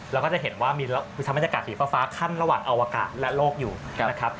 เราก็จะเห็นว่ามีทั้งบรรยากาศสีฟ้าขั้นระหว่างอวกาศและโลกอยู่นะครับ